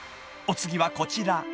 ［お次はこちら］